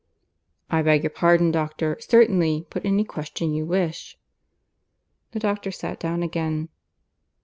"I beg your pardon, doctor. Certainly. Put any question you wish." The doctor sat down again.